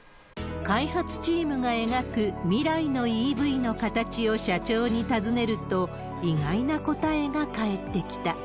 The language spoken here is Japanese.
開発チームが描く未来のＥＶの形を社長に尋ねると、意外な答えが返ってきた。